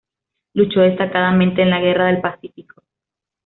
Luchó destacadamente en la guerra del Pacífico.